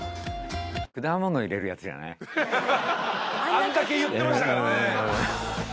あんだけ言ってましたからね。